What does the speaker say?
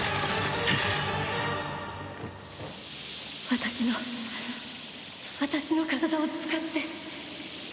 私の私の体を使って。